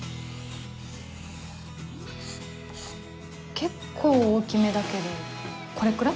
結構大きめだけどこれくらい？